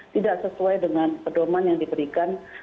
tidak sesuai dengan pedoman yang diberikan